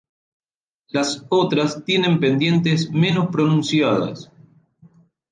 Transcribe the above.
Las otras tienen pendientes menos pronunciadas.